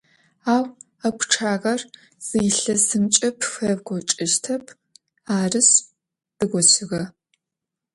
Ау а пчъагъэр зы илъэсымкӏэ пфэукӏочӏыщтэп, арышъ, дгощыгъэ.